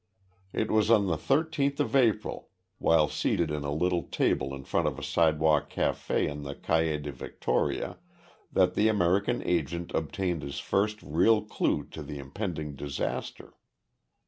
It was on the 13th of April, while seated at a little table in front of a sidewalk café on the Calles de Victoria, that the American agent obtained his first real clue to the impending disaster.